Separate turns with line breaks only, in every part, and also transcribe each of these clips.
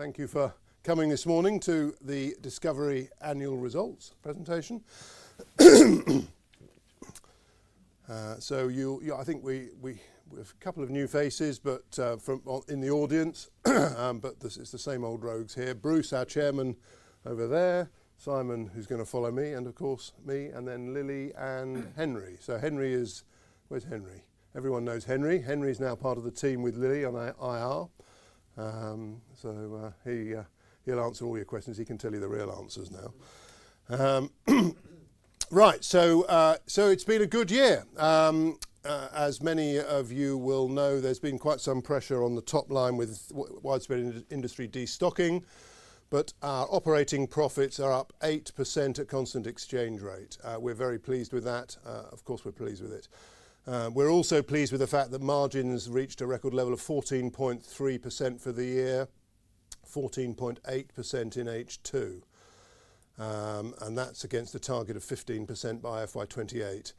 Thank you for coming this morning to the discoverIE annual results presentation. I think we have a couple of new faces in the audience, but it's the same old rogues here. Bruce, our Chairman, over there. Simon, who's going to follow me, and of course me, and then Lili and Henry. Henry is—where's Henry? Everyone knows Henry. Henry is now part of the team with Lili on IR. He'll answer all your questions. He can tell you the real answers now. Right, it's been a good year. As many of you will know, there's been quite some pressure on the top line with widespread industry destocking. Our operating profits are up 8% at constant exchange rate. We're very pleased with that. Of course, we're pleased with it. We're also pleased with the fact that margins reached a record level of 14.3% for the year, 14.8% in H2. That is against the target of 15% by FY 2028.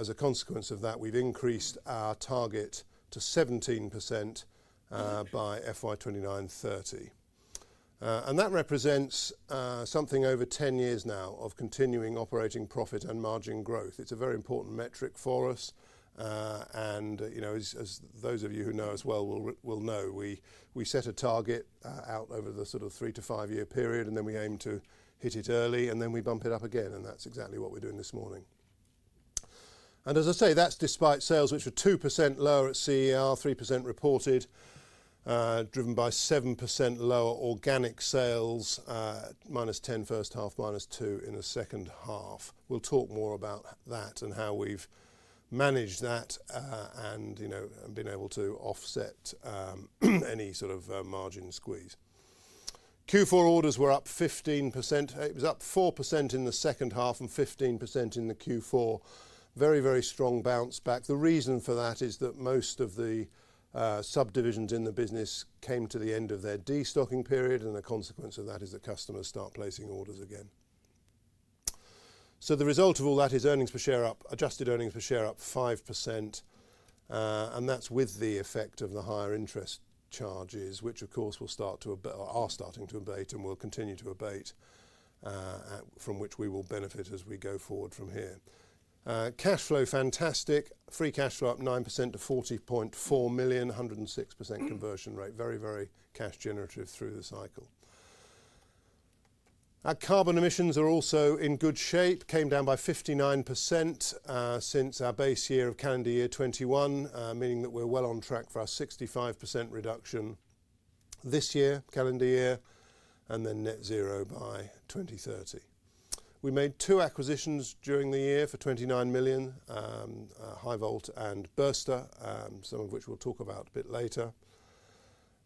As a consequence of that, we've increased our target to 17% by FY 2029 and 2030. That represents something over 10 years now of continuing operating profit and margin growth. It's a very important metric for us. As those of you who know us well will know, we set a target out over the sort of three to five-year period, and then we aim to hit it early, and then we bump it up again. That's exactly what we're doing this morning. As I say, that's despite sales which were 2% lower at CER, 3% reported, driven by 7% lower organic sales, -10% first half, -2% in the second half. We'll talk more about that and how we've managed that and been able to offset any sort of margin squeeze. Q4 orders were up 15%. It was up 4% in the second half and 15% in the Q4. Very, very strong bounce back. The reason for that is that most of the subdivisions in the business came to the end of their destocking period, and the consequence of that is that customers start placing orders again. The result of all that is adjusted earnings per share up 5%. That's with the effect of the higher interest charges, which of course are starting to abate and will continue to abate, from which we will benefit as we go forward from here. Cash flow, fantastic. Free cash flow up 9% to 40.4 million, 106% conversion rate. Very, very cash generative through the cycle. Our carbon emissions are also in good shape. Came down by 59% since our base year of calendar year 2021, meaning that we're well on track for our 65% reduction this year, calendar year, and then net zero by 2030. We made two acquisitions during the year for 29 million, Hivolt and Burster, some of which we'll talk about a bit later.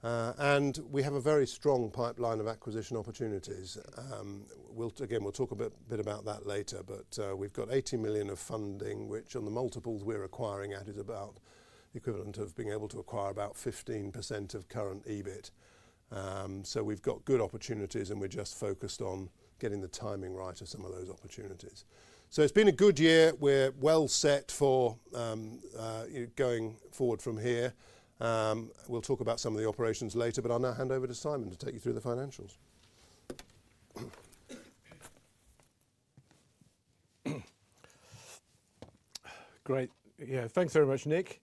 We have a very strong pipeline of acquisition opportunities. Again, we'll talk a bit about that later. We've got 18 million of funding, which on the multiples we're acquiring at is about the equivalent of being able to acquire about 15% of current EBIT. We've got good opportunities, and we're just focused on getting the timing right of some of those opportunities. It's been a good year. We're well set for going forward from here. We'll talk about some of the operations later, but I'll now hand over to Simon to take you through the financials.
Great. Yeah, thanks very much, Nick.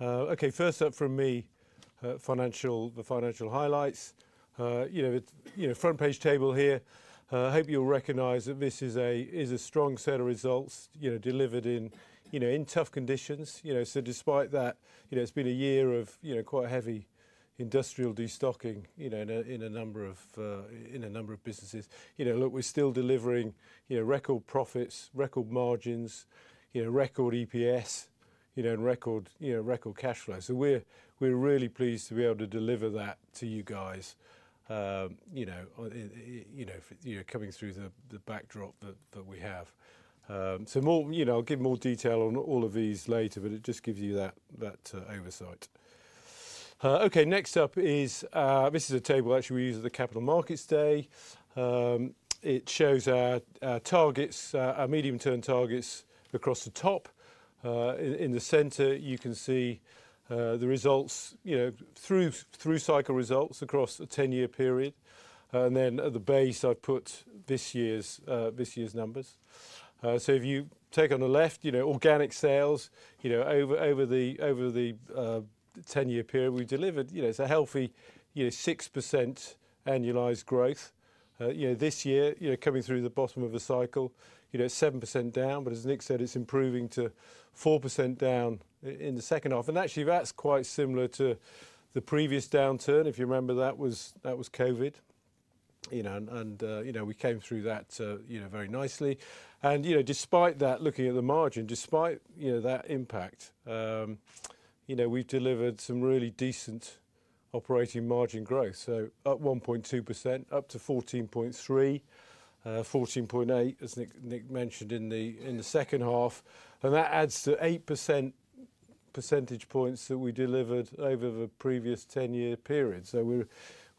Okay, first up from me, the financial highlights. Front page table here. I hope you'll recognize that this is a strong set of results delivered in tough conditions. Despite that, it's been a year of quite heavy industrial destocking in a number of businesses. Look, we're still delivering record profits, record margins, record EPS, and record cash flow. We're really pleased to be able to deliver that to you guys coming through the backdrop that we have. I'll give more detail on all of these later, but it just gives you that oversight. Okay, next up is this is a table actually we use at the Capital Markets Day. It shows our medium-term targets across the top. In the center, you can see the results through cycle results across a 10-year period. At the base, I've put this year's numbers. If you take on the left, organic sales over the 10-year period, we delivered a healthy 6% annualized growth this year, coming through the bottom of the cycle. It's 7% down, but as Nick said, it's improving to 4% down in the second half. Actually, that's quite similar to the previous downturn. If you remember, that was COVID. We came through that very nicely. Despite that, looking at the margin, despite that impact, we've delivered some really decent operating margin growth. Up 1.2%, up to 14.3%, 14.8%, as Nick mentioned in the second half. That adds to 8 percentage points that we delivered over the previous 10-year period.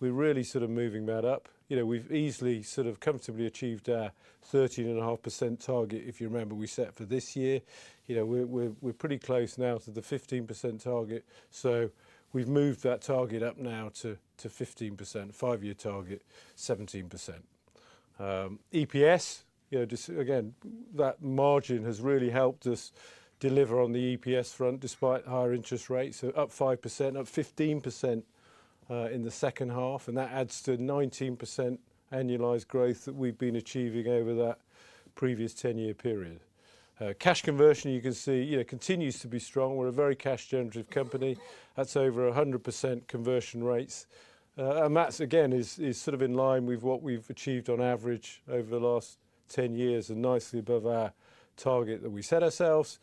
We're really sort of moving that up. We've easily, comfortably achieved our 13.5% target, if you remember, we set for this year. We're pretty close now to the 15% target. We've moved that target up now to 15%, five-year target, 17%. EPS, again, that margin has really helped us deliver on the EPS front despite higher interest rates. Up 5%, up 15% in the second half. That adds to 19% annualized growth that we've been achieving over that previous 10-year period. Cash conversion, you can see, continues to be strong. We're a very cash generative company. That's over 100% conversion rates. That, again, is sort of in line with what we've achieved on average over the last 10 years and nicely above our target that we set ourselves.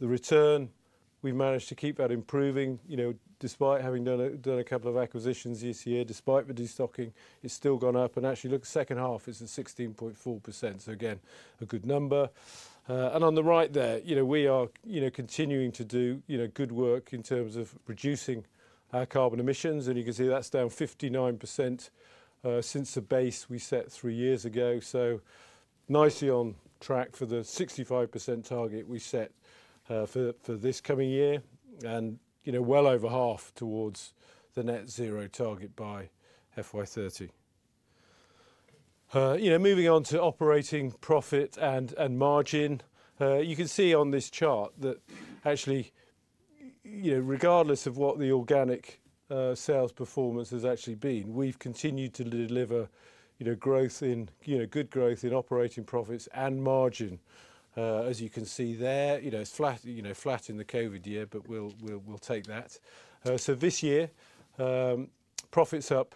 The return, we've managed to keep that improving. Despite having done a couple of acquisitions this year, despite the destocking, it's still gone up. Actually, look, the second half is at 16.4%. Again, a good number. On the right there, we are continuing to do good work in terms of reducing our carbon emissions. You can see that's down 59% since the base we set three years ago. Nicely on track for the 65% target we set for this coming year and well over half towards the net zero target by FY 2030. Moving on to operating profit and margin. You can see on this chart that actually, regardless of what the organic sales performance has actually been, we've continued to deliver good growth in operating profits and margin, as you can see there. It's flat in the COVID year, but we'll take that. This year, profits up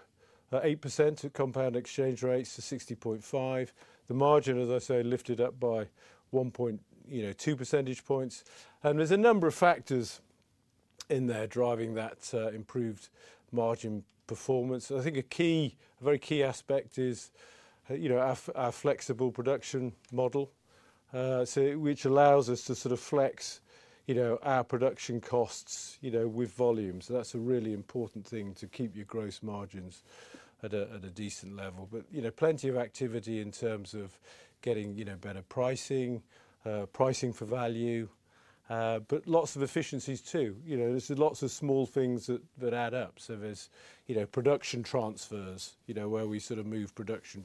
8% at constant exchange rates to 60.5 million. The margin, as I say, lifted up by 1.2 percentage points. There are a number of factors in there driving that improved margin performance. I think a very key aspect is our flexible production model, which allows us to sort of flex our production costs with volumes. That is a really important thing to keep your gross margins at a decent level. Plenty of activity in terms of getting better pricing, pricing for value, but lots of efficiencies too. There are lots of small things that add up. There are production transfers where we sort of move production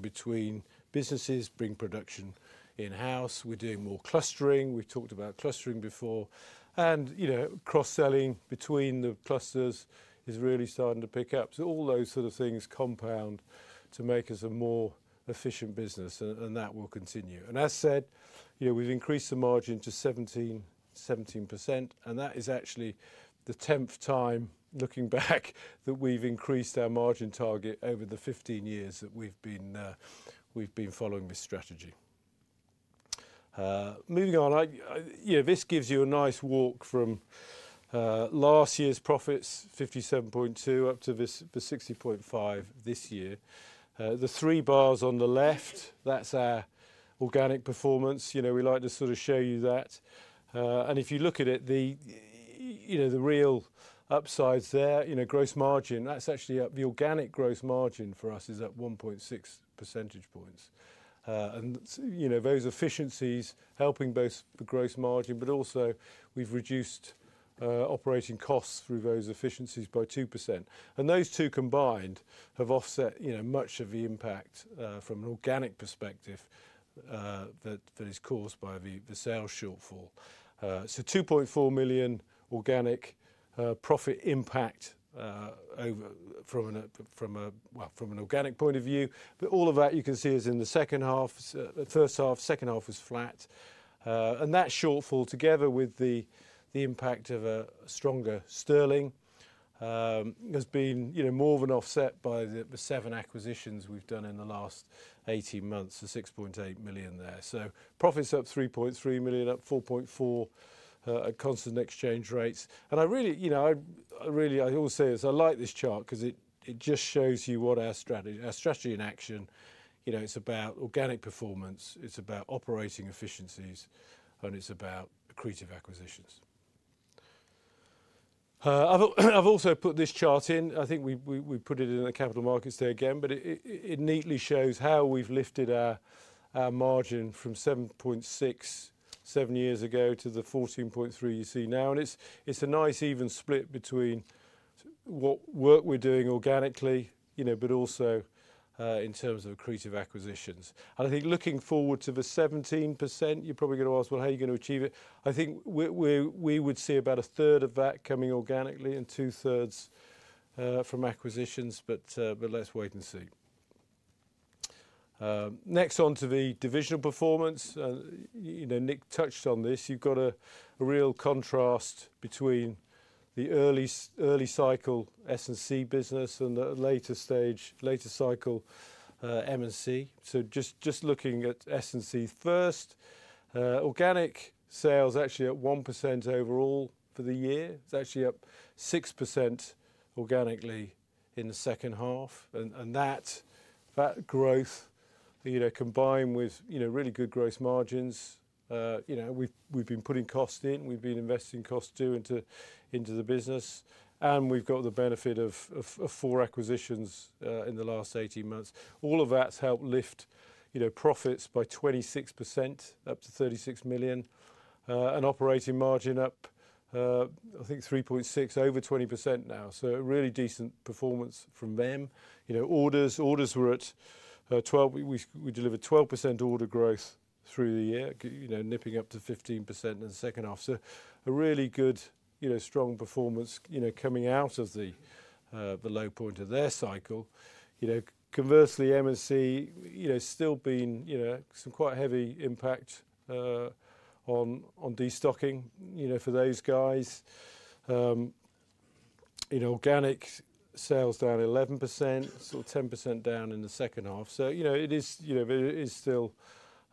between businesses, bring production in-house. We are doing more clustering. We have talked about clustering before. Cross-selling between the clusters is really starting to pick up. All those sort of things compound to make us a more efficient business, and that will continue. As said, we have increased the margin to 17%. That is actually the 10th time, looking back, that we have increased our margin target over the 15 years that we have been following this strategy. Moving on, this gives you a nice walk from last year's profits, 57.2 million, up to 60.5 million this year. The three bars on the left, that's our organic performance. We like to sort of show you that. If you look at it, the real upsides there, gross margin, that's actually the organic gross margin for us is at 1.6 percentage points. Those efficiencies helping both the gross margin, but also we've reduced operating costs through those efficiencies by 2%. Those two combined have offset much of the impact from an organic perspective that is caused by the sales shortfall. 2.4 million organic profit impact from an organic point of view. All of that, you can see, is in the second half. The first half, second half was flat. That shortfall, together with the impact of a stronger sterling, has been more than offset by the seven acquisitions we have done in the last 18 months, the 6.8 million there. Profits up 3.3 million, up 4.4 million at constant exchange rates. I really always say this, I like this chart because it just shows you what our strategy in action is about. Organic performance, it is about operating efficiencies, and it is about accretive acquisitions. I have also put this chart in. I think we put it in the Capital Markets Day again, but it neatly shows how we have lifted our margin from 7.6% seven years ago to the 14.3% you see now. It is a nice even split between what work we are doing organically, but also in terms of accretive acquisitions. I think looking forward to the 17%, you're probably going to ask, well, how are you going to achieve it? I think we would see about a third of that coming organically and two-thirds from acquisitions, but let's wait and see. Next on to the divisional performance. Nick touched on this. You've got a real contrast between the early cycle S&C business and the later cycle M&C. Just looking at S&C first, organic sales actually at 1% overall for the year. It's actually up 6% organically in the second half. That growth, combined with really good gross margins, we've been putting cost in. We've been investing costs into the business. We've got the benefit of four acquisitions in the last 18 months. All of that's helped lift profits by 26%, up to 36 million. Operating margin up, I think, 3.6, over 20% now. Really decent performance from them. Orders were at 12%. We delivered 12% order growth through the year, nipping up to 15% in the second half. A really good, strong performance coming out of the low point of their cycle. Conversely, M&C still been some quite heavy impact on destocking for those guys. Organic sales down 11%, so 10% down in the second half. It is still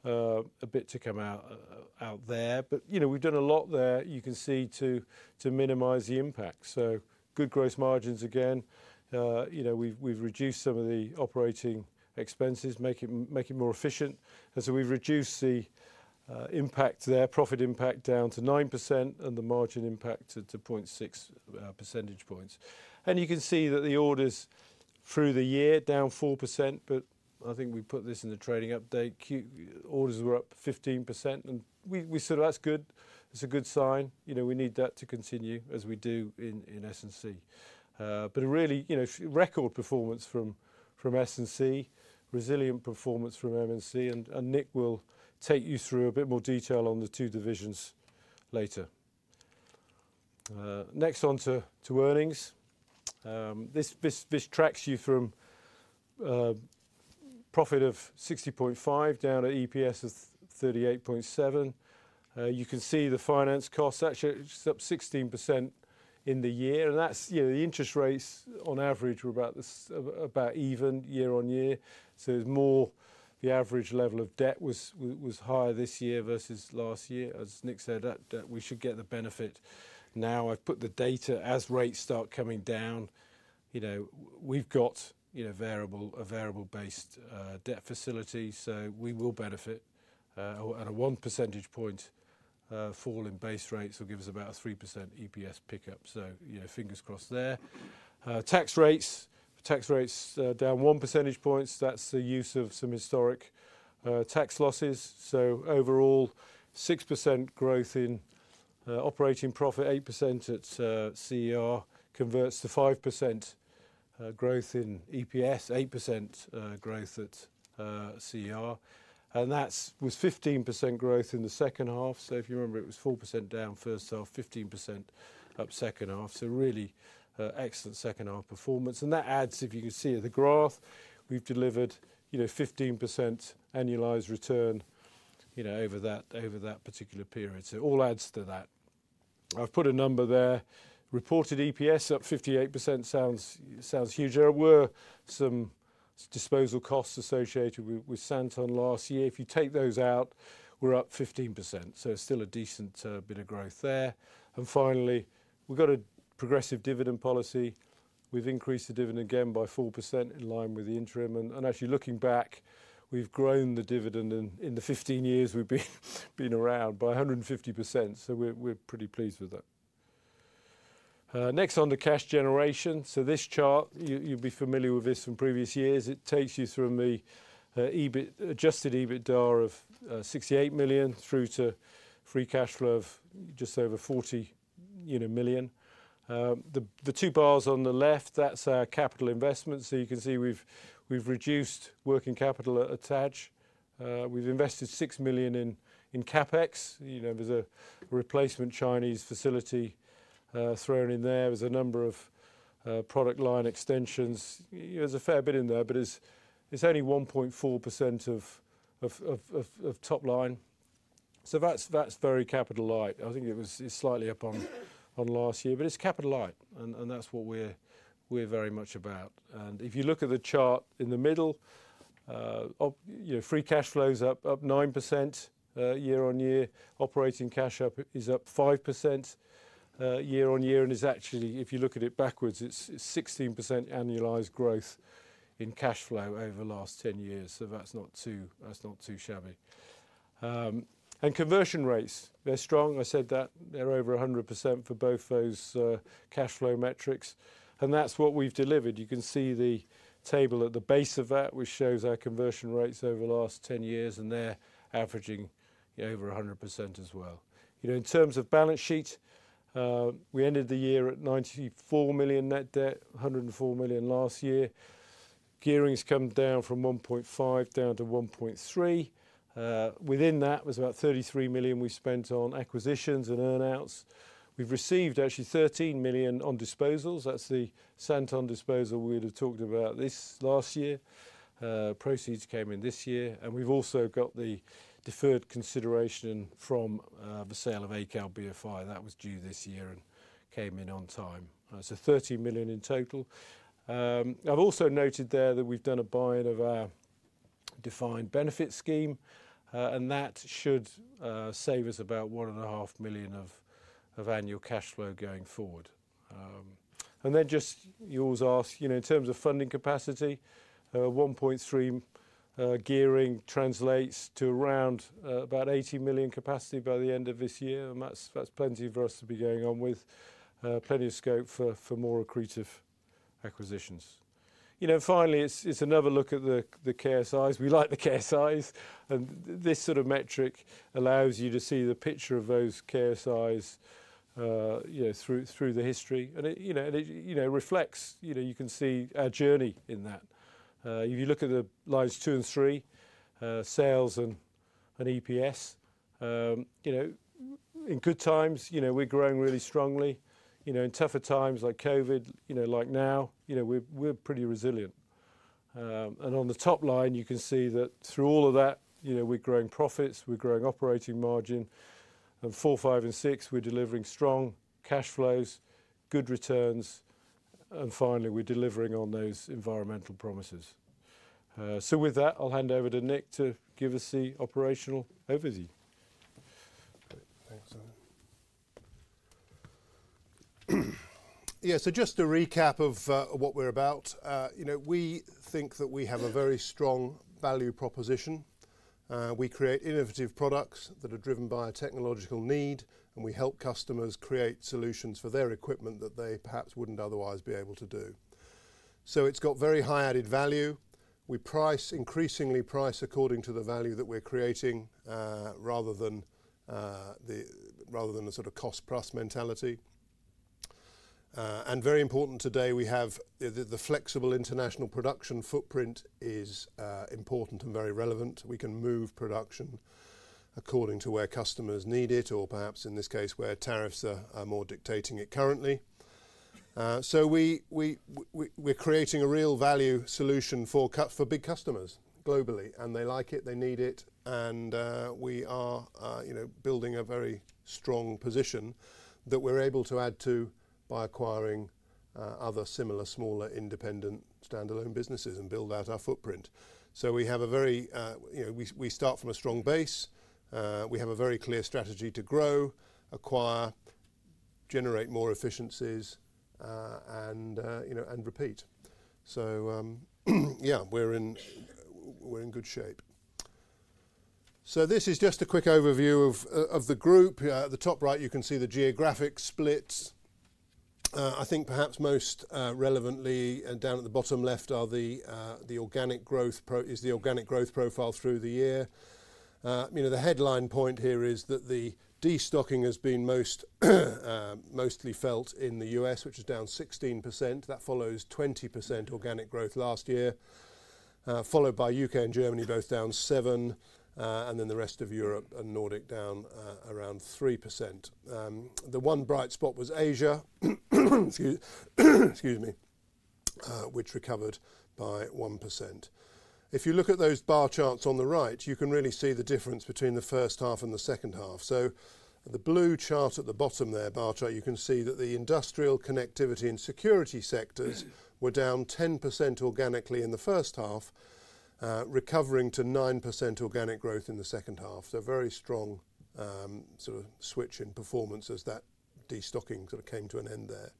a bit to come out there. We have done a lot there, you can see, to minimize the impact. Good gross margins again. We have reduced some of the operating expenses, make it more efficient. We have reduced the profit impact down to 9% and the margin impact to 0.6 percentage points. You can see that the orders through the year down 4%. I think we put this in the trading update. Orders were up 15%. That is good. It is a good sign. We need that to continue as we do in S&C. Really, record performance from S&C, resilient performance from M&C. Nick will take you through a bit more detail on the two divisions later. Next on to earnings. This tracks you from profit of 60.5 million down to EPS of 38.7 pence. You can see the finance costs actually up 16% in the year. The interest rates on average were about even year on year. The average level of debt was higher this year versus last year. As Nick said, we should get the benefit now. I have put the data as rates start coming down. We have got a variable-based debt facility, so we will benefit. A 1% fall in base rates will give us about a 3% EPS pickup. Fingers crossed there. Tax rates, tax rates down 1 percentage point. That's the use of some historic tax losses. Overall, 6% growth in operating profit, 8% at CER converts to 5% growth in EPS, 8% growth at CER. That was 15% growth in the second half. If you remember, it was 4% down first half, 15% up second half. Really excellent second half performance. That adds, if you can see the graph, we've delivered 15% annualized return over that particular period. It all adds to that. I've put a number there. Reported EPS up 58% sounds huge. There were some disposal costs associated with Santon last year. If you take those out, we're up 15%. It's still a decent bit of growth there. Finally, we've got a progressive dividend policy. We've increased the dividend again by 4% in line with the interim. Actually, looking back, we've grown the dividend in the 15 years we've been around by 150%. We are pretty pleased with that. Next, on to cash generation. This chart, you'll be familiar with this from previous years. It takes you from the adjusted EBITDA of 68 million through to free cash flow of just over 40 million. The two bars on the left, that's our capital investment. You can see we've reduced working capital attach. We've invested 6 million in CapEx. There is a replacement Chinese facility thrown in there. There are a number of product line extensions. There is a fair bit in there, but it's only 1.4% of top line. That is very capital light. I think it was slightly up on last year, but it's capital light. That is what we are very much about. If you look at the chart in the middle, free cash flow's up 9% year-on-year. Operating cash up is up 5% year-on-year. Actually, if you look at it backwards, it's 16% annualized growth in cash flow over the last 10 years. That's not too shabby. Conversion rates, they're strong. I said that they're over 100% for both those cash flow metrics. That's what we've delivered. You can see the table at the base of that, which shows our conversion rates over the last 10 years and they're averaging over 100% as well. In terms of balance sheet, we ended the year at 94 million net debt, 104 million last year. Gearing's come down from 1.5 down to 1.3. Within that, it was about 33 million we spent on acquisitions and earnouts. We've received actually 13 million on disposals. That's the Santon disposal we had talked about this last year. Proceeds came in this year. We have also got the deferred consideration from the sale of Acal BFi. That was due this year and came in on time. 13 million in total. I have also noted there that we have done a buy-in of our defined benefit scheme. That should save us about 1.5 million of annual cash flow going forward. Just as you asked, in terms of funding capacity, 1.3 gearing translates to around about 80 million capacity by the end of this year. That is plenty for us to be going on with, plenty of scope for more accretive acquisitions. Finally, it is another look at the KSIs. We like the KSIs. This sort of metric allows you to see the picture of those KSIs through the history. It reflects, you can see our journey in that. If you look at the lines two and three, sales and EPS, in good times, we're growing really strongly. In tougher times like COVID, like now, we're pretty resilient. On the top line, you can see that through all of that, we're growing profits, we're growing operating margin. Four, five, and six, we're delivering strong cash flows, good returns. Finally, we're delivering on those environmental promises. With that, I'll hand over to Nick to give us the operational overview.
Yeah, just to recap of what we're about, we think that we have a very strong value proposition. We create innovative products that are driven by a technological need, and we help customers create solutions for their equipment that they perhaps wouldn't otherwise be able to do. It's got very high added value. We increasingly price according to the value that we're creating rather than a sort of cost-plus mentality. Very important today, we have the flexible international production footprint, which is important and very relevant. We can move production according to where customers need it, or perhaps in this case, where tariffs are more dictating it currently. We are creating a real value solution for big customers globally, and they like it, they need it. We are building a very strong position that we're able to add to by acquiring other similar, smaller, independent standalone businesses and build out our footprint. We start from a strong base. We have a very clear strategy to grow, acquire, generate more efficiencies, and repeat. Yeah, we're in good shape. This is just a quick overview of the group. At the top right, you can see the geographic splits. I think perhaps most relevantly down at the bottom left is the organic growth profile through the year. The headline point here is that the destocking has been mostly felt in the U.S., which is down 16%. That follows 20% organic growth last year, followed by U.K. and Germany, both down 7%, and then the rest of Europe and Nordic down around 3%. The one bright spot was Asia, excuse me, which recovered by 1%. If you look at those bar charts on the right, you can really see the difference between the first half and the second half. The blue chart at the bottom there, bar chart, you can see that the industrial connectivity and security sectors were down 10% organically in the first half, recovering to 9% organic growth in the second half. Very strong sort of switch in performance as that destocking sort of came to an end there.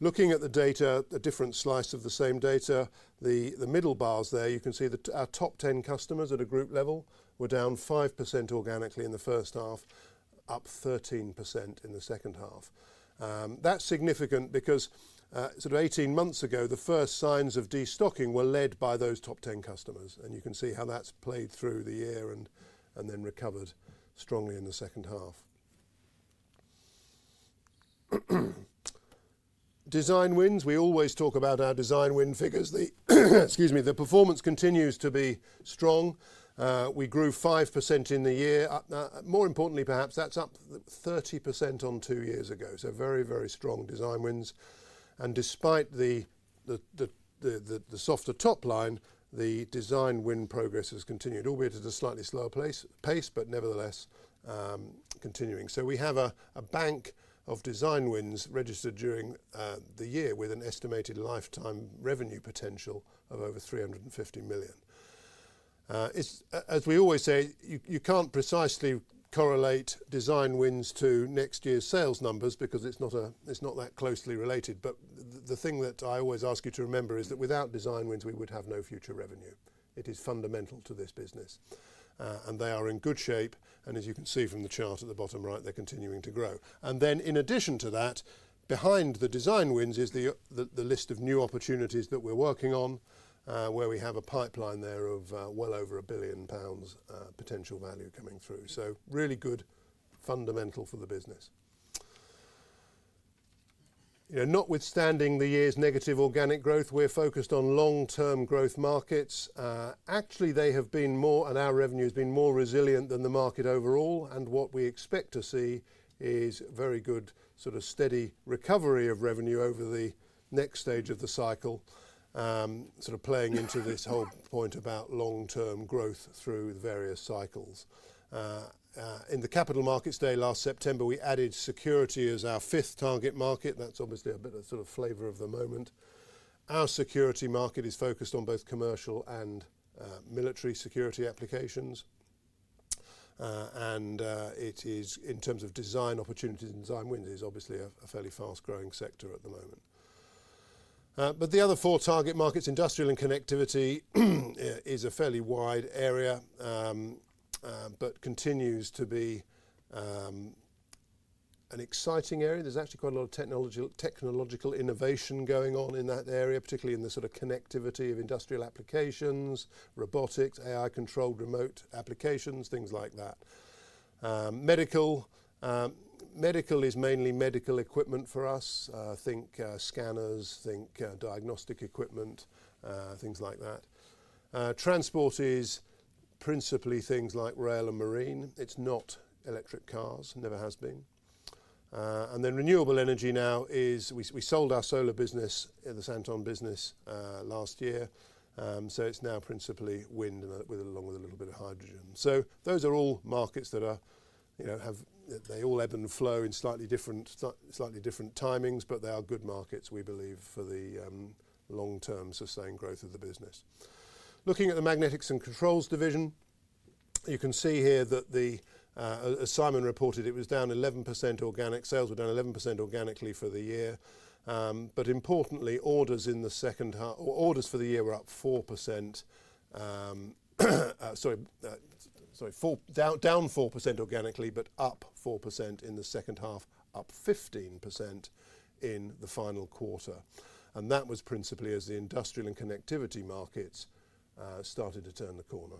Looking at the data, a different slice of the same data, the middle bars there, you can see that our top 10 customers at a group level were down 5% organically in the first half, up 13% in the second half. That's significant because sort of 18 months ago, the first signs of destocking were led by those top 10 customers. You can see how that's played through the year and then recovered strongly in the second half. Design wins. We always talk about our design win figures. Excuse me, the performance continues to be strong. We grew 5% in the year. More importantly, perhaps that's up 30% on two years ago. Very, very strong design wins. Despite the softer top line, the design win progress has continued, albeit at a slightly slower pace, but nevertheless continuing. We have a bank of design wins registered during the year with an estimated lifetime revenue potential of over 350 million. As we always say, you cannot precisely correlate design wins to next year's sales numbers because it is not that closely related. The thing that I always ask you to remember is that without design wins, we would have no future revenue. It is fundamental to this business. They are in good shape. As you can see from the chart at the bottom right, they are continuing to grow. In addition to that, behind the design wins is the list of new opportunities that we are working on, where we have a pipeline there of well over 1 billion pounds potential value coming through. Really good fundamental for the business. Notwithstanding the year's negative organic growth, we're focused on long-term growth markets. Actually, they have been more, and our revenue has been more resilient than the market overall. What we expect to see is very good sort of steady recovery of revenue over the next stage of the cycle, sort of playing into this whole point about long-term growth through the various cycles. In the capital markets day last September, we added security as our fifth target market. That's obviously a bit of sort of flavor of the moment. Our security market is focused on both commercial and military security applications. It is, in terms of design opportunities and design wins, obviously a fairly fast-growing sector at the moment. The other four target markets, industrial and connectivity, is a fairly wide area but continues to be an exciting area. There's actually quite a lot of technological innovation going on in that area, particularly in the sort of connectivity of industrial applications, robotics, AI-controlled remote applications, things like that. Medical. Medical is mainly medical equipment for us. Think scanners, think diagnostic equipment, things like that. Transport is principally things like rail and marine. It's not electric cars, never has been. Renewable energy now is we sold our solar business, the Santon business, last year. It is now principally wind along with a little bit of hydrogen. Those are all markets that they all ebb and flow in slightly different timings, but they are good markets, we believe, for the long-term sustained growth of the business. Looking at the Magnetics & Controls division, you can see here that, as Simon reported, it was down 11% organic. Sales were down 11% organically for the year. Importantly, orders for the year were down 4% organically, but up 4% in the second half, up 15% in the final quarter. That was principally as the industrial and connectivity markets started to turn the corner.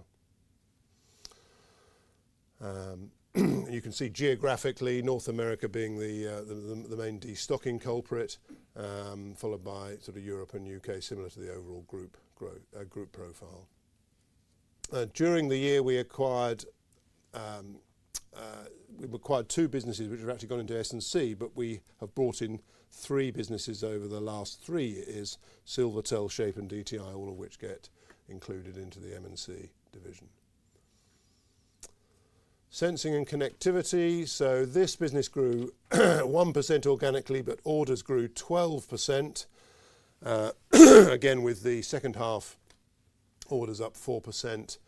You can see geographically, North America being the main destocking culprit, followed by sort of Europe and U.K., similar to the overall group profile. During the year, we acquired two businesses, which have actually gone into S&C, but we have brought in three businesses over the last three years: Silvertel, Shape, and DTI, all of which get included into the M&C division. Sensing and connectivity. This business grew 1% organically, but orders grew 12%. Again, with the second half, orders up 4%,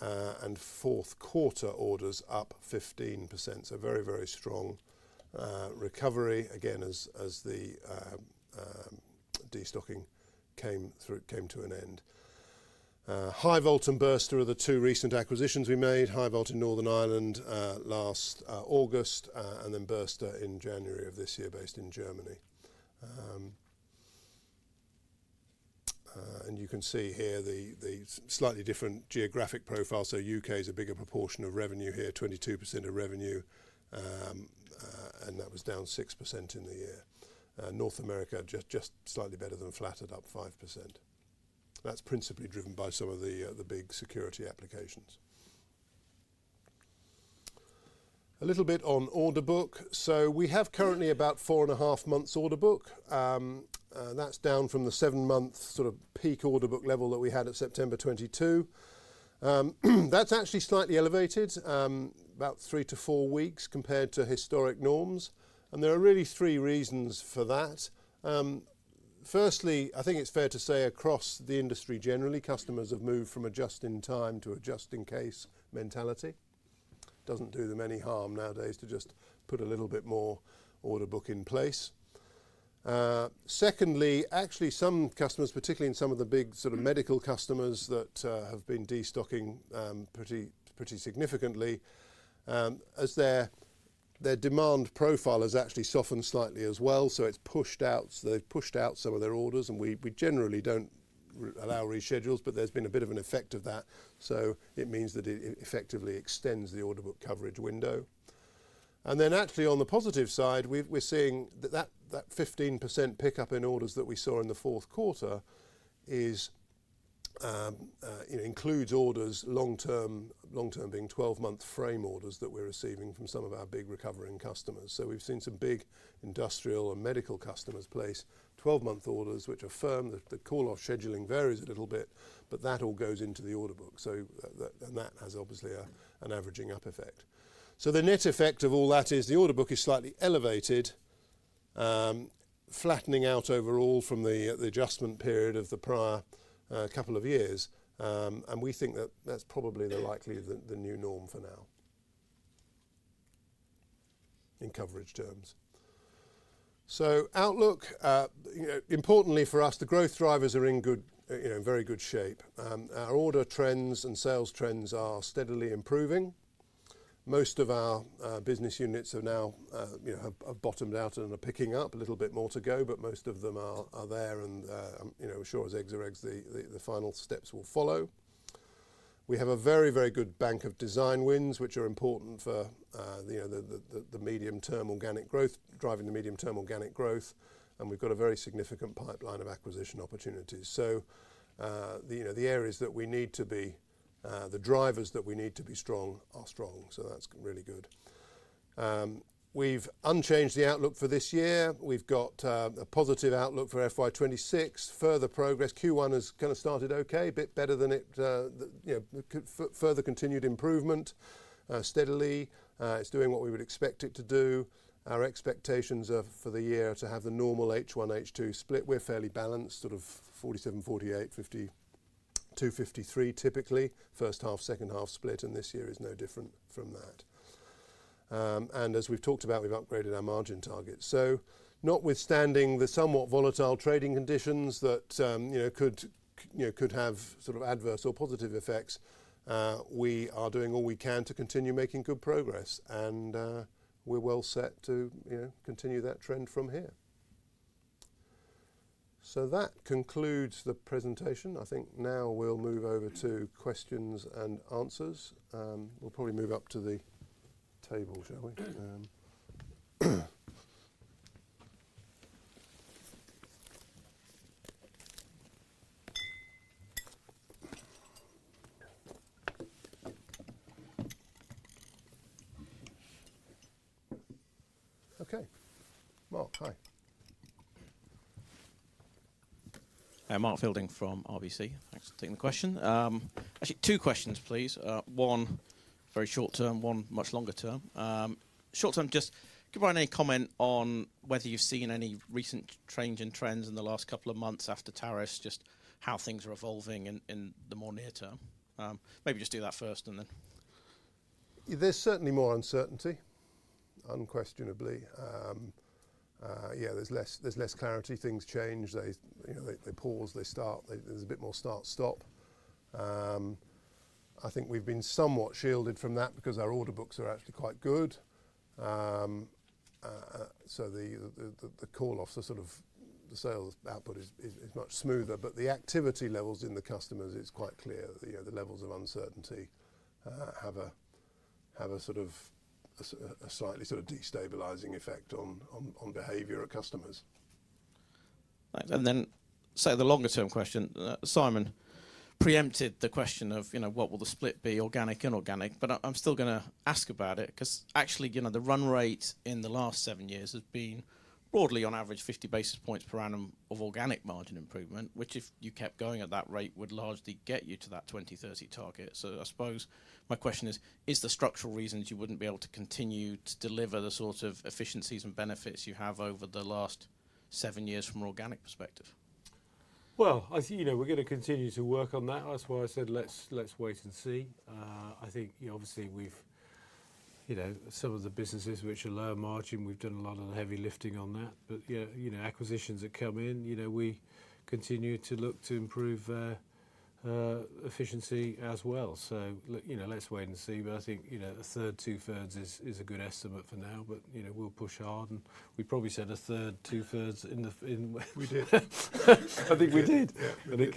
and fourth quarter orders up 15%. Very, very strong recovery, again, as the destocking came to an end. Hivolt and Burster are the two recent acquisitions we made. Hivolt in Northern Ireland last August, and then Burster in January of this year, based in Germany. You can see here the slightly different geographic profile. U.K. is a bigger proportion of revenue here, 22% of revenue, and that was down 6% in the year. North America just slightly better than flattered, up 5%. That is principally driven by some of the big security applications. A little bit on order book. We have currently about four and a half months order book. That is down from the seven-month sort of peak order book level that we had at September 2022. That is actually slightly elevated, about three to four weeks compared to historic norms. There are really three reasons for that. Firstly, I think it's fair to say across the industry generally, customers have moved from a just-in-time to a just-in-case mentality. It doesn't do them any harm nowadays to just put a little bit more order book in place. Secondly, actually, some customers, particularly in some of the big sort of medical customers that have been destocking pretty significantly, as their demand profile has actually softened slightly as well. They have pushed out some of their orders, and we generally don't allow reschedules, but there's been a bit of an effect of that. It means that it effectively extends the order book coverage window. Actually, on the positive side, we're seeing that that 15% pickup in orders that we saw in the fourth quarter includes orders, long-term being 12-month frame orders that we're receiving from some of our big recovering customers. We have seen some big industrial and medical customers place 12-month orders, which affirm that the call-off scheduling varies a little bit, but that all goes into the order book. That has obviously an averaging up effect. The net effect of all that is the order book is slightly elevated, flattening out overall from the adjustment period of the prior couple of years. We think that is probably the likely new norm for now in coverage terms. Outlook, importantly for us, the growth drivers are in very good shape. Our order trends and sales trends are steadily improving. Most of our business units have now bottomed out and are picking up a little bit more to go, but most of them are there. Sure as X or X, the final steps will follow. We have a very, very good bank of design wins, which are important for the medium-term organic growth, driving the medium-term organic growth. We have got a very significant pipeline of acquisition opportunities. The areas that we need to be, the drivers that we need to be strong, are strong. That is really good. We have unchanged the outlook for this year. We have got a positive outlook for FY 2026. Further progress. Q1 has kind of started okay, a bit better than it further continued improvement steadily. It is doing what we would expect it to do. Our expectations for the year are to have the normal H1, H2 split. We are fairly balanced, sort of 47, 48, 253 typically. First half, second half split, and this year is no different from that. As we have talked about, we have upgraded our margin targets. Notwithstanding the somewhat volatile trading conditions that could have sort of adverse or positive effects, we are doing all we can to continue making good progress. We are well set to continue that trend from here. That concludes the presentation. I think now we will move over to questions and answers. We will probably move up to the table, shall we? Okay. Mark, hi.
Mark Fielding from RBC. Thanks for taking the question. Actually, two questions, please. One very short term, one much longer term. Short term, just give Ryan a comment on whether you have seen any recent change in trends in the last couple of months after tariffs, just how things are evolving in the more near term. Maybe just do that first and then.
There is certainly more uncertainty, unquestionably. There is less clarity. Things change. They pause. They start. There is a bit more start-stop. I think we've been somewhat shielded from that because our order books are actually quite good. The call-off, the sales output is much smoother. The activity levels in the customers, it's quite clear that the levels of uncertainty have a sort of slightly sort of destabilizing effect on behavior of customers.
The longer-term question. Simon preempted the question of what will the split be, organic, inorganic. I'm still going to ask about it because actually, the run rate in the last seven years has been broadly, on average, 50 basis points per annum of organic margin improvement, which, if you kept going at that rate, would largely get you to that 2030 target. I suppose my question is, is there structural reasons you would not be able to continue to deliver the sort of efficiencies and benefits you have over the last seven years from an organic perspective?
I think we are going to continue to work on that. That is why I said, let's wait and see. I think, obviously, with some of the businesses which are low margin, we have done a lot of the heavy lifting on that. Acquisitions that come in, we continue to look to improve efficiency as well. Let's wait and see. I think a third, two-thirds is a good estimate for now. We will push hard. We probably said a third, 2/3 in the past.
We did.
I think we did. It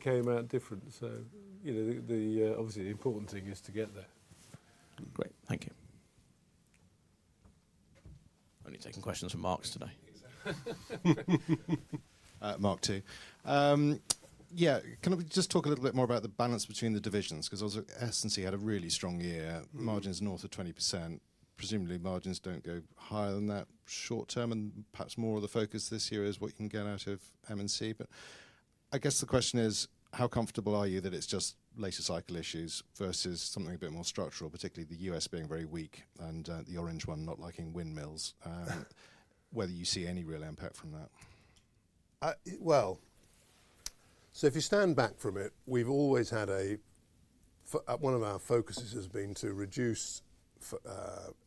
came out different. Obviously, the important thing is to get there.
Great. Thank you.
Only taking questions from Marks today. Mark too. Yeah. Can we just talk a little bit more about the balance between the divisions? Because S&C had a really strong year. Margins north of 20%. Presumably, margins do not go higher than that short term. Perhaps more of the focus this year is what you can get out of M&C. I guess the question is, how comfortable are you that it is just later cycle issues versus something a bit more structural, particularly the U.S. being very weak and the orange one not liking windmills, whether you see any real impact from that?
If you stand back from it, we have always had a one of our focuses has been to reduce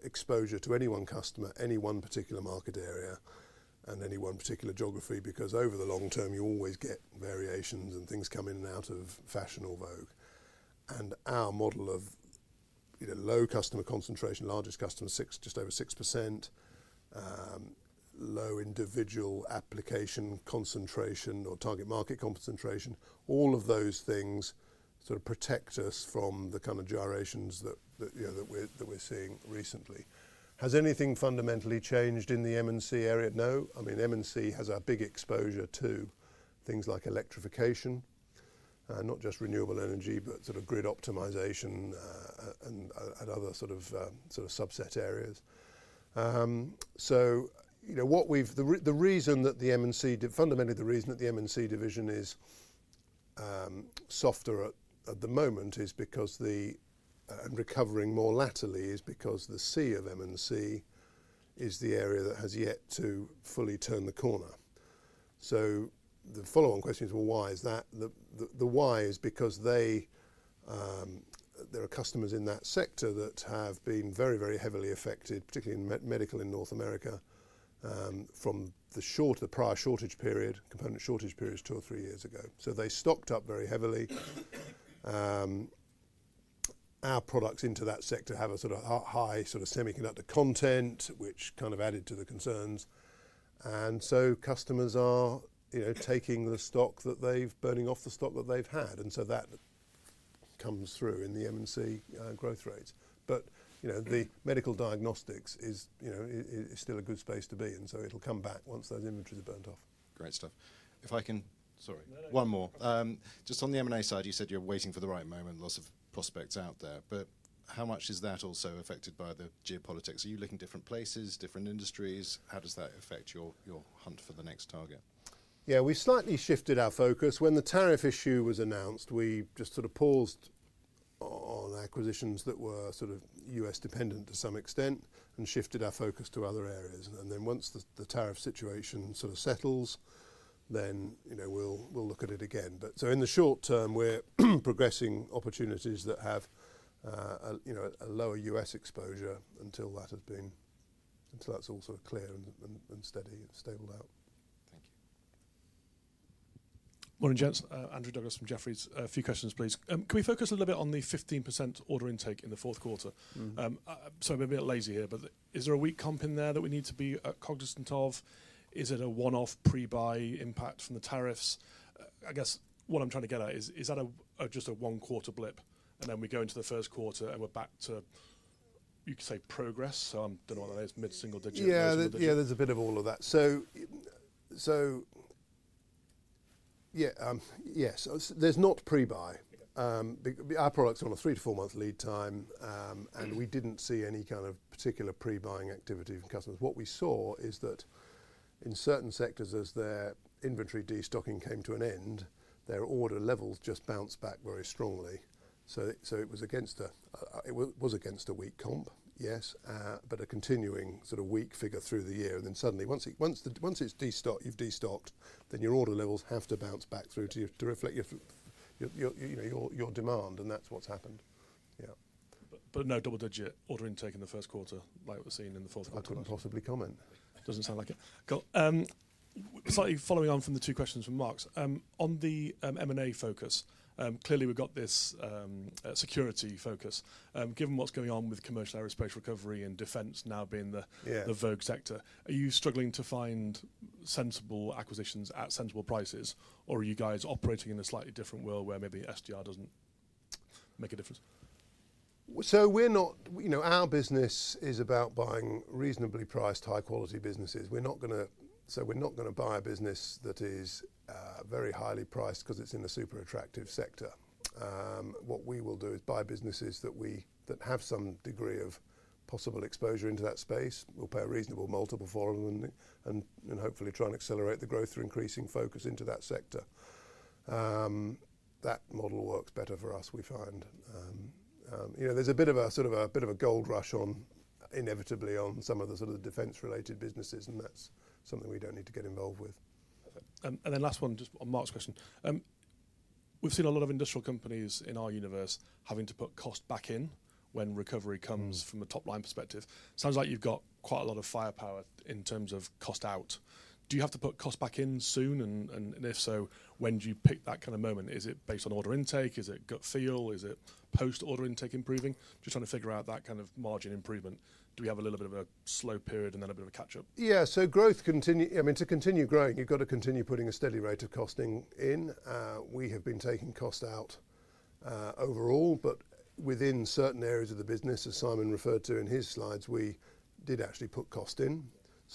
exposure to any one customer, any one particular market area, and any one particular geography because over the long term, you always get variations and things come in and out of fashion or vogue. Our model of low customer concentration, largest customer just over 6%, low individual application concentration or target market concentration, all of those things sort of protect us from the kind of gyrations that we're seeing recently. Has anything fundamentally changed in the M&C area? No. I mean, M&C has a big exposure to things like electrification, not just renewable energy, but sort of grid optimization and other sort of subset areas. The reason that the M&C division is softer at the moment and recovering more laterally is because the C of M&C is the area that has yet to fully turn the corner. The follow-on question is, why is that? The why is because there are customers in that sector that have been very, very heavily affected, particularly in medical in North America, from the prior shortage period, component shortage periods two or three years ago. They stocked up very heavily. Our products into that sector have a sort of high sort of semiconductor content, which kind of added to the concerns. Customers are taking the stock that they've burning off the stock that they've had. That comes through in the M&C growth rates. The medical diagnostics is still a good space to be. It will come back once those inventories are burnt off. Great stuff. If I can, sorry. One more. Just on the M&A side, you said you're waiting for the right moment, lots of prospects out there. How much is that also affected by the geopolitics? Are you looking different places, different industries? How does that affect your hunt for the next target? Yeah, we've slightly shifted our focus. When the tariff issue was announced, we just sort of paused on acquisitions that were sort of U.S.-dependent to some extent and shifted our focus to other areas. Once the tariff situation sort of settles, we will look at it again. In the short term, we're progressing opportunities that have a lower U.S. exposure until that has been, until that's also clear and steady and stabled out.
Thank you. Morning, gents. Andrew Douglas from Jefferies. A few questions, please. Can we focus a little bit on the 15% order intake in the fourth quarter? Sorry, I'm a bit lazy here, but is there a weak comp in there that we need to be cognizant of? Is it a one-off pre-buy impact from the tariffs? I guess what I'm trying to get at is, is that just a one-quarter blip? Then we go into the first quarter and we're back to, you could say, progress. I don't know what that is. Mid-single digits.
Yeah, there's a bit of all of that. Yeah, yes. There's not pre-buy. Our products are on a three- to four-month lead time, and we didn't see any kind of particular pre-buying activity from customers. What we saw is that in certain sectors, as their inventory destocking came to an end, their order levels just bounced back very strongly. It was against a weak comp, yes, but a continuing sort of weak figure through the year. Once it is destocked, you have destocked, then your order levels have to bounce back through to reflect your demand. That is what has happened.
Yeah. No double-digit order intake in the first quarter like we have seen in the fourth quarter.
I could not possibly comment.
Does not sound like it.
Slightly following on from the two questions from Mark's. On the M&A focus, clearly we have this security focus. Given what is going on with commercial aerospace recovery and defense now being the vogue sector, are you struggling to find sensible acquisitions at sensible prices, or are you guys operating in a slightly different world where maybe SDR does not make a difference?
Our business is about buying reasonably priced, high-quality businesses. We are not going to buy a business that is very highly priced because it is in a super attractive sector. What we will do is buy businesses that have some degree of possible exposure into that space. We'll pay a reasonable multiple for them and hopefully try and accelerate the growth through increasing focus into that sector. That model works better for us, we find. There's a bit of a sort of a gold rush inevitably on some of the sort of defense-related businesses, and that's something we don't need to get involved with.
Last one, just on Mark's question. We've seen a lot of industrial companies in our universe having to put cost back in when recovery comes from a top-line perspective. Sounds like you've got quite a lot of firepower in terms of cost out. Do you have to put cost back in soon? If so, when do you pick that kind of moment? Is it based on order intake? Is it gut feel? Is it post-order intake improving? Just trying to figure out that kind of margin improvement. Do we have a little bit of a slow period and then a bit of a catch-up?
Yeah. Growth, I mean, to continue growing, you've got to continue putting a steady rate of costing in. We have been taking cost out overall, but within certain areas of the business, as Simon referred to in his slides, we did actually put cost in.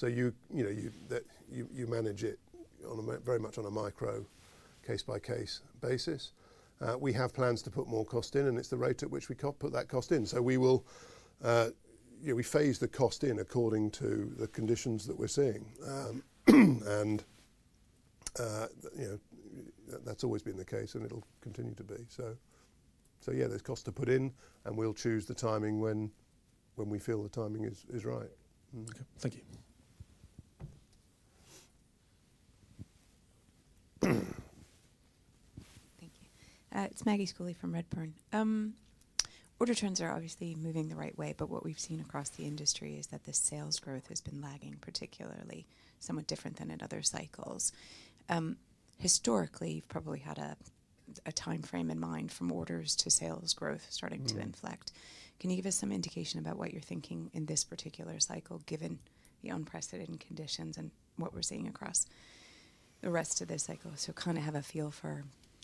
You manage it very much on a micro, case-by-case basis. We have plans to put more cost in, and it's the rate at which we put that cost in. We phase the cost in according to the conditions that we're seeing. That has always been the case, and it'll continue to be. Yeah, there's cost to put in, and we'll choose the timing when we feel the timing is right.
Okay. Thank you.
Thank you. It's Maggie Schooley from Redburn. Order trends are obviously moving the right way, but what we've seen across the industry is that the sales growth has been lagging, particularly somewhat different than in other cycles. Historically, you've probably had a timeframe in mind from orders to sales growth starting to inflect. Can you give us some indication about what you're thinking in this particular cycle, given the unprecedented conditions and what we're seeing across the rest of this cycle? Kind of have a feel for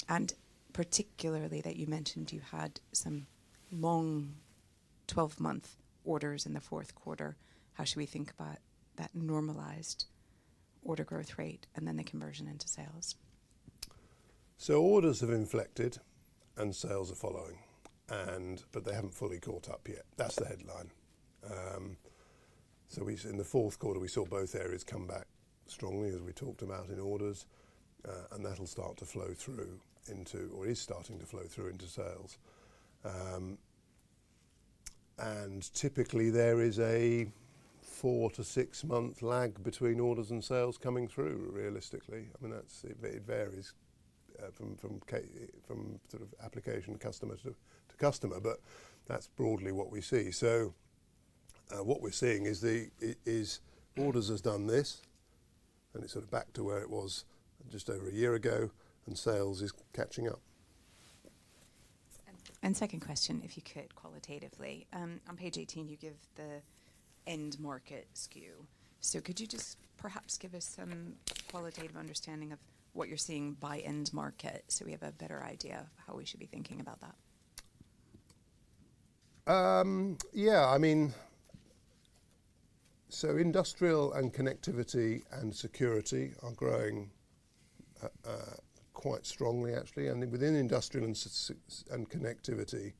and particularly that you mentioned you had some long 12-month orders in the fourth quarter. How should we think about that normalized order growth rate and then the conversion into sales?
Orders have inflected, and sales are following, but they have not fully caught up yet. That is the headline. In the fourth quarter, we saw both areas come back strongly, as we talked about in orders, and that will start to flow through into, or is starting to flow through into, sales. Typically, there is a four- to six-month lag between orders and sales coming through, realistically. I mean, it varies from sort of application customer to customer, but that is broadly what we see. What we are seeing is orders has done this, and it is sort of back to where it was just over a year ago, and sales is catching up.
Second question, if you could, qualitatively. On page 18, you give the end market skew. Could you just perhaps give us some qualitative understanding of what you're seeing by end market so we have a better idea of how we should be thinking about that?
Yeah. I mean, industrial and connectivity and security are growing quite strongly, actually. Within industrial and connectivity,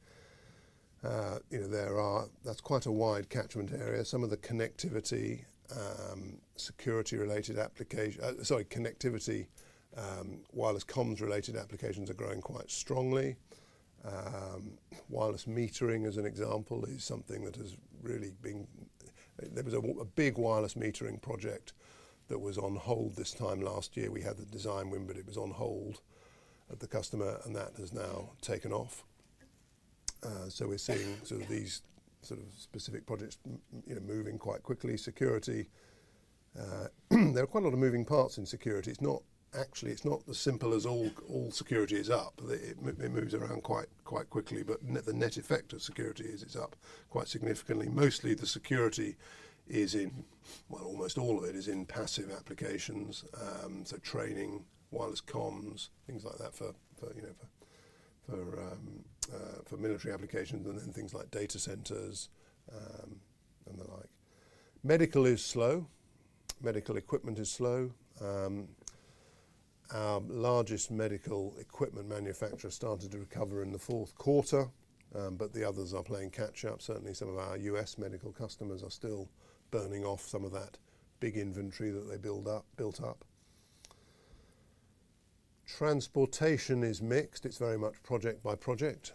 that's quite a wide catchment area. Some of the connectivity security-related applications, sorry, connectivity wireless comms-related applications are growing quite strongly. Wireless metering, as an example, is something that has really been—there was a big wireless metering project that was on hold this time last year. We had the design win, but it was on hold at the customer, and that has now taken off. We're seeing these specific projects moving quite quickly. Security, there are quite a lot of moving parts in security. Actually, it's not as simple as all security is up. It moves around quite quickly. The net effect of security is it's up quite significantly. Mostly the security is in, well, almost all of it is in passive applications. Training, wireless comms, things like that for military applications, and then things like data centers and the like. Medical is slow. Medical equipment is slow. Our largest medical equipment manufacturer started to recover in the fourth quarter, but the others are playing catch-up. Certainly, some of our U.S. medical customers are still burning off some of that big inventory that they built up. Transportation is mixed. It's very much project by project.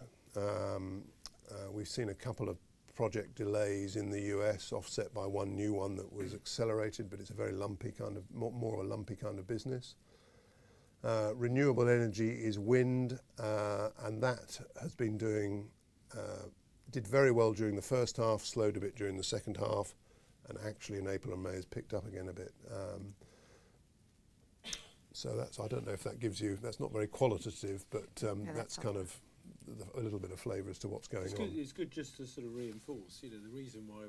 We've seen a couple of project delays in the U.S., offset by one new one that was accelerated, but it's a very lumpy kind of more of a lumpy kind of business. Renewable energy is wind, and that has been doing very well during the first half, slowed a bit during the second half, and actually in April and May has picked up again a bit. I do not know if that gives you, that is not very qualitative, but that is kind of a little bit of flavor as to what is going on.
It is good just to sort of reinforce the reason why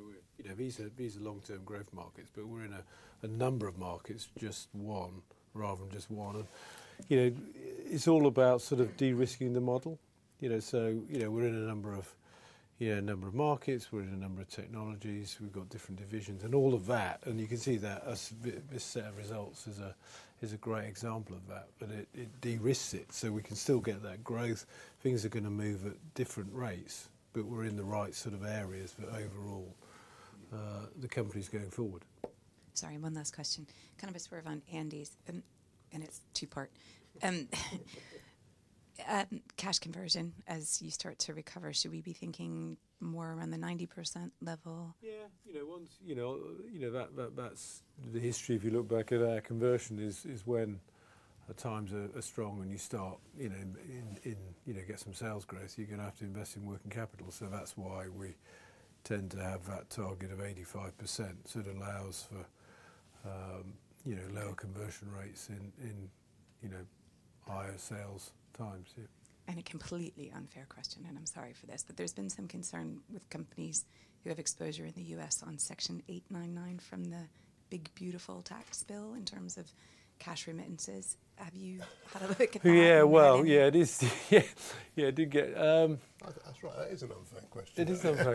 we are,
these are long-term growth markets, but we are in a number of markets, just one, rather than just one. It is all about sort of de-risking the model. We are in a number of markets. We are in a number of technologies. We have got different divisions and all of that. You can see that this set of results is a great example of that, but it de-risks it. We can still get that growth. Things are going to move at different rates, but we're in the right sort of areas for overall the company's going forward.
Sorry, one last question. Kind of a sort of on Andy's, and it's two-part. Cash conversion, as you start to recover, should we be thinking more around the 90% level?
Yeah. Once that's the history. If you look back at our conversion, it's when times are strong and you start to get some sales growth, you're going to have to invest in working capital. That's why we tend to have that target of 85%. It allows for lower conversion rates in higher sales times.
A completely unfair question, and I'm sorry for this, but there's been some concern with companies who have exposure in the U.S. on Section 899 from the big beautiful tax bill in terms of cash remittances. Have you had a look at that?
Yeah. Yeah, it is. Yeah, I did get.
That's right. That is an unfair question.
It is unfair.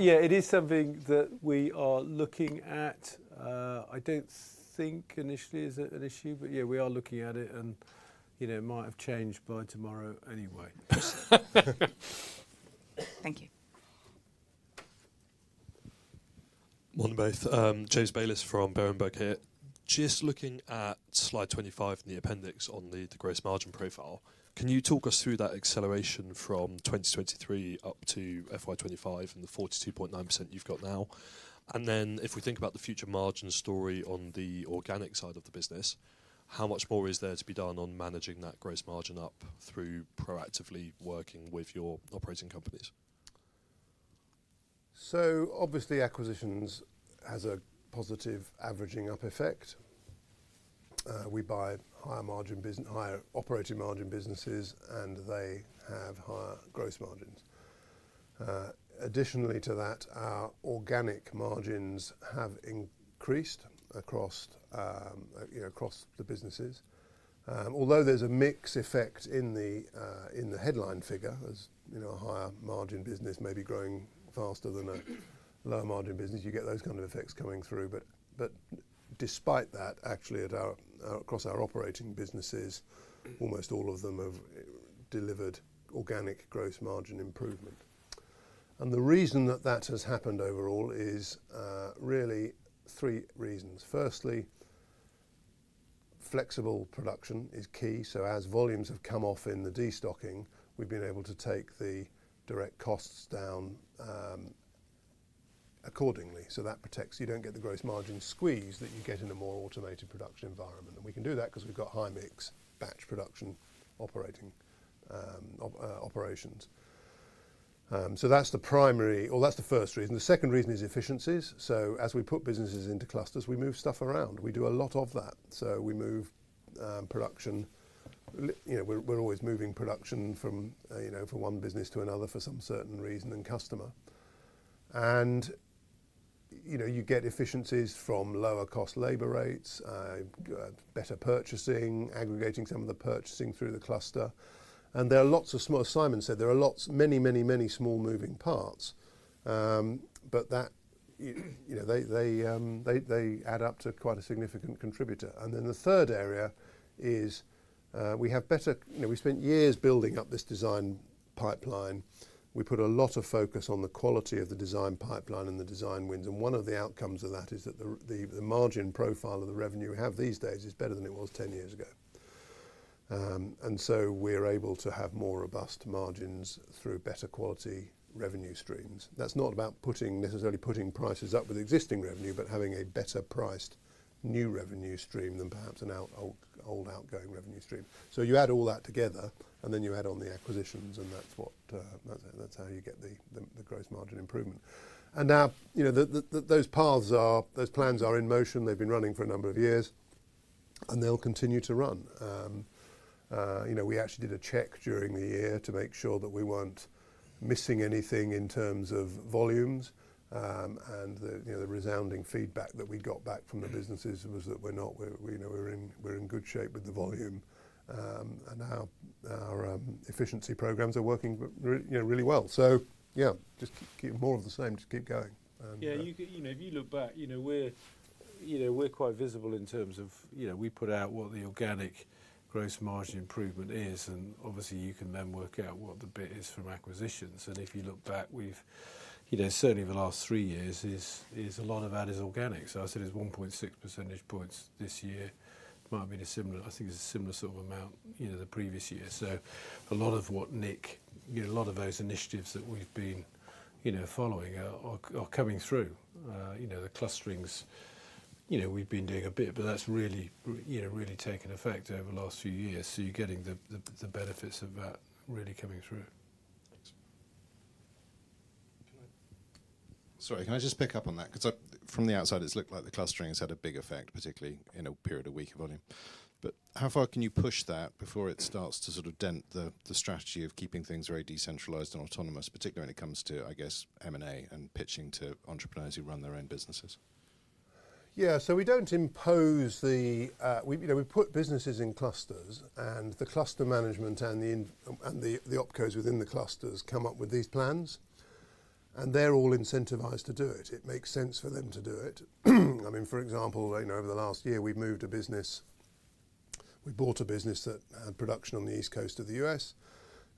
Yeah, it is something that we are looking at. I do not think initially is an issue, but yeah, we are looking at it, and it might have changed by tomorrow anyway.
Thank you.
Morning, both. James Bayliss from Berenberg here. Just looking at slide 25 in the appendix on the gross margin profile. Can you talk us through that acceleration from 2023 up to FY 2025 and the 42.9% you have got now? And then if we think about the future margin story on the organic side of the business, how much more is there to be done on managing that gross margin up through proactively working with your operating companies?
Obviously, acquisitions has a positive averaging up effect. We buy higher operating margin businesses, and they have higher gross margins. Additionally to that, our organic margins have increased across the businesses. Although there is a mixed effect in the headline figure, as a higher margin business may be growing faster than a lower margin business, you get those kind of effects coming through. Despite that, actually, across our operating businesses, almost all of them have delivered organic gross margin improvement. The reason that that has happened overall is really three reasons. Firstly, flexible production is key. As volumes have come off in the destocking, we have been able to take the direct costs down accordingly. That protects you do not get the gross margin squeeze that you get in a more automated production environment. We can do that because we have got high mix batch production operations. That is the primary or that is the first reason. The second reason is efficiencies. As we put businesses into clusters, we move stuff around. We do a lot of that. We move production. We are always moving production from one business to another for some certain reason and customer. You get efficiencies from lower cost labor rates, better purchasing, aggregating some of the purchasing through the cluster. There are lots of small, as Simon said, there are many, many, many small moving parts, but they add up to quite a significant contributor. The third area is we have better, we spent years building up this design pipeline. We put a lot of focus on the quality of the design pipeline and the design wins. One of the outcomes of that is that the margin profile of the revenue we have these days is better than it was 10 years ago. We're able to have more robust margins through better quality revenue streams. That's not about necessarily putting prices up with existing revenue, but having a better priced new revenue stream than perhaps an old outgoing revenue stream. You add all that together, and then you add on the acquisitions, and that's how you get the gross margin improvement. Now those plans are in motion. They've been running for a number of years, and they'll continue to run. We actually did a check during the year to make sure that we weren't missing anything in terms of volumes. The resounding feedback that we got back from the businesses was that we're in good shape with the volume, and our efficiency programs are working really well. Yeah, just keep more of the same. Just keep going.
Yeah. If you look back, we're quite visible in terms of we put out what the organic gross margin improvement is, and obviously, you can then work out what the bit is from acquisitions. If you look back, certainly the last three years, a lot of that is organic. I said it's 1.6 percentage points this year. It might have been a similar, I think it's a similar sort of amount the previous year. A lot of what Nick, a lot of those initiatives that we've been following are coming through. The clusterings, we've been doing a bit, but that's really taken effect over the last few years. You're getting the benefits of that really coming through.
Sorry, can I just pick up on that? Because from the outside, it's looked like the clustering has had a big effect, particularly in a period of weaker volume. How far can you push that before it starts to sort of dent the strategy of keeping things very decentralized and autonomous, particularly when it comes to, I guess, M&A and pitching to entrepreneurs who run their own businesses?
Yeah. We do not impose the we put businesses in clusters, and the cluster management and the opcos within the clusters come up with these plans, and they are all incentivized to do it. It makes sense for them to do it. I mean, for example, over the last year, we have moved a business. We bought a business that had production on the East Coast of the U.S.,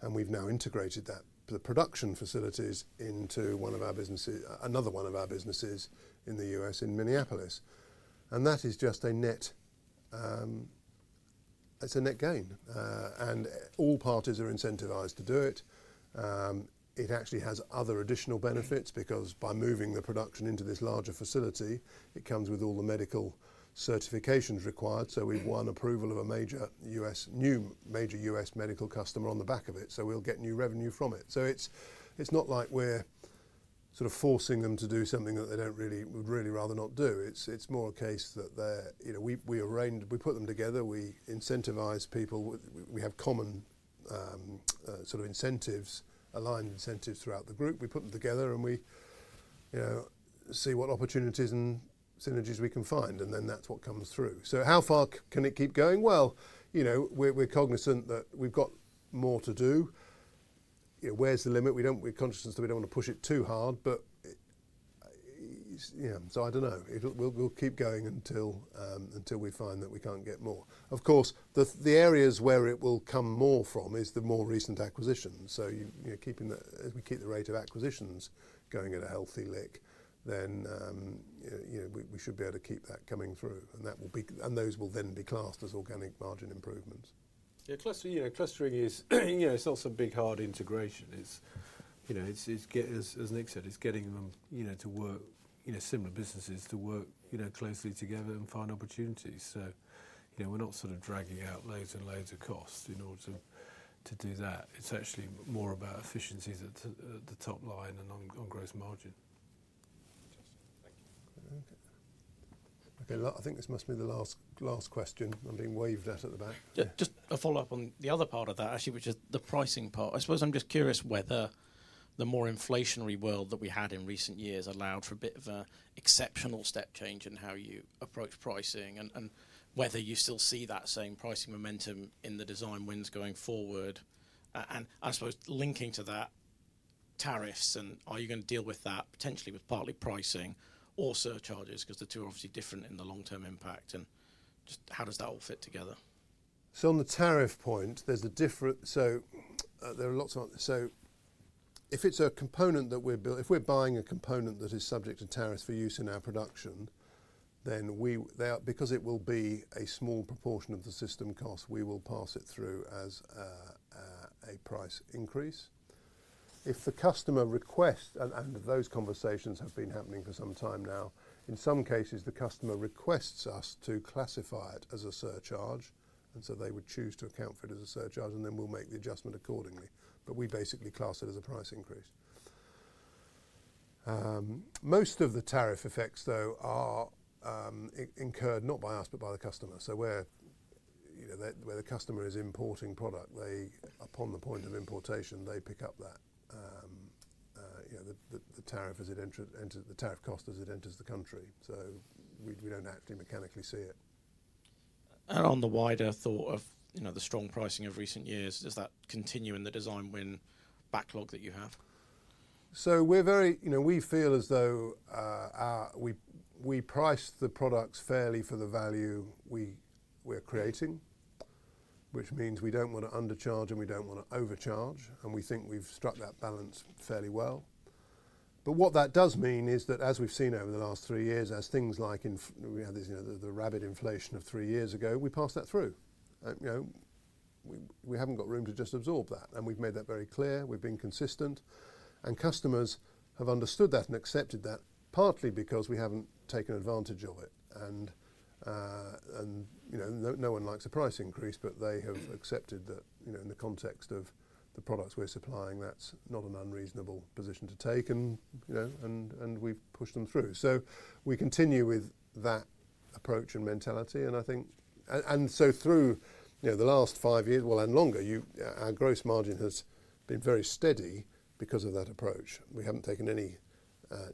and we have now integrated the production facilities into another one of our businesses in the U.S. in Minneapolis. That is just a net it is a net gain. All parties are incentivized to do it. It actually has other additional benefits because by moving the production into this larger facility, it comes with all the medical certifications required. We have won approval of a new major U.S. medical customer on the back of it. We will get new revenue from it. It is not like we are sort of forcing them to do something that they would really rather not do. It is more a case that we put them together. We incentivize people. We have common sort of incentives, aligned incentives throughout the group. We put them together and we see what opportunities and synergies we can find, and then that is what comes through. How far can it keep going? We are cognizant that we have more to do. Where is the limit? We are conscious that we do not want to push it too hard, but I do not know. We'll keep going until we find that we can't get more. Of course, the areas where it will come more from is the more recent acquisitions. As we keep the rate of acquisitions going at a healthy lick, we should be able to keep that coming through. Those will then be classed as organic margin improvements.
Yeah. Clustering is, yeah, it's also a big hard integration. As Nick said, it's getting them to work, similar businesses to work closely together and find opportunities. We're not sort of dragging out loads and loads of costs in order to do that. It's actually more about efficiencies at the top line and on gross margin. Okay. I think this must be the last question. I'm being waved at at the back. Yeah. Just a follow-up on the other part of that, actually, which is the pricing part. I suppose I'm just curious whether the more inflationary world that we had in recent years allowed for a bit of an exceptional step change in how you approach pricing and whether you still see that same pricing momentum in the design wins going forward. I suppose linking to that, tariffs, and are you going to deal with that potentially with partly pricing or surcharges because the two are obviously different in the long-term impact? Just how does that all fit together?
On the tariff point, there's a difference, so there are lots of, so if it's a component that we're, if we're buying a component that is subject to tariffs for use in our production, then because it will be a small proportion of the system cost, we will pass it through as a price increase. If the customer requests and those conversations have been happening for some time now, in some cases, the customer requests us to classify it as a surcharge. They would choose to account for it as a surcharge, and then we will make the adjustment accordingly. We basically class it as a price increase. Most of the tariff effects, though, are incurred not by us, but by the customer. Where the customer is importing product, upon the point of importation, they pick up that tariff as it enters the country. We do not actually mechanically see it. On the wider thought of the strong pricing of recent years, does that continue in the design win backlog that you have? We feel as though we price the products fairly for the value we're creating, which means we don't want to undercharge and we don't want to overcharge. We think we've struck that balance fairly well. What that does mean is that, as we've seen over the last three years, as things like we had the rapid inflation of three years ago, we pass that through. We haven't got room to just absorb that. We've made that very clear. We've been consistent. Customers have understood that and accepted that partly because we haven't taken advantage of it. No one likes a price increase, but they have accepted that in the context of the products we're supplying, that's not an unreasonable position to take, and we've pushed them through. We continue with that approach and mentality. Through the last five years, and longer, our gross margin has been very steady because of that approach. We have not taken any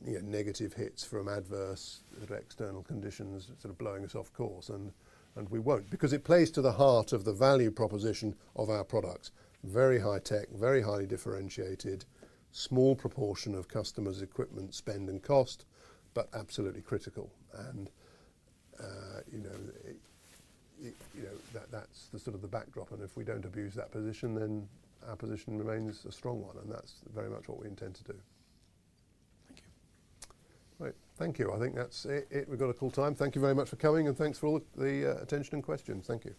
negative hits from adverse external conditions sort of blowing us off course. We will not because it plays to the heart of the value proposition of our products. Very high tech, very highly differentiated, small proportion of customers' equipment spend and cost, but absolutely critical. That is sort of the backdrop. If we do not abuse that position, then our position remains a strong one. That is very much what we intend to do. Thank you. Right. Thank you. I think that is it. We have got a cool time. Thank you very much for coming, and thanks for all the attention and questions. Thank you.